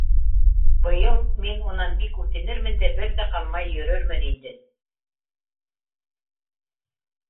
Быйыл мин унан бик үтенермен дә бер ҙә ҡалмай йөрөрмөн инде.